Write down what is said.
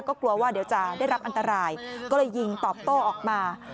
ก็กลัวว่าเดี๋ยวจะได้รับอันตรายก็เลยยิงตอบโต้ออกมา